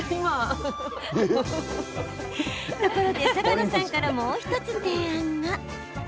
と、ここで坂野さんからもう１つ提案が。